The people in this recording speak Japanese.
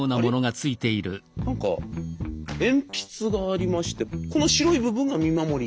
何か鉛筆がありましてこの白い部分が見守り？